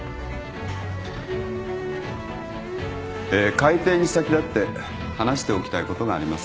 開廷に先立って話しておきたいことがあります。